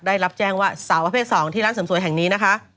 ได้รับแจ้งว่าสาวประเภท๒ที่ร้านเสริมสวยแห่งนี้นะคะ